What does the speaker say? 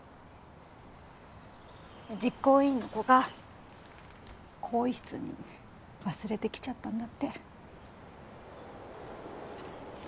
実行委員の子が更衣室に忘れてきちゃったんだって。